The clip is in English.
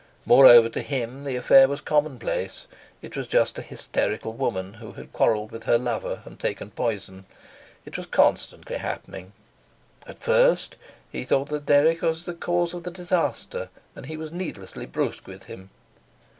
Moreover, to him the affair was commonplace; it was just an hysterical woman who had quarrelled with her lover and taken poison; it was constantly happening. At first he thought that Dirk was the cause of the disaster, and he was needlessly brusque with him.